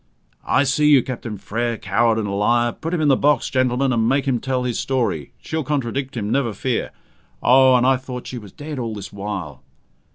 "I see you, Captain Frere, coward and liar! Put him in the box, gentlemen, and make him tell his story. She'll contradict him, never fear. Oh, and I thought she was dead all this while!"